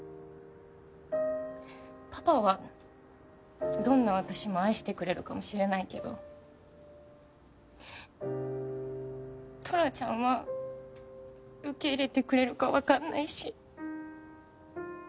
パパはどんな私も愛してくれるかもしれないけどトラちゃんは受け入れてくれるかわかんないし。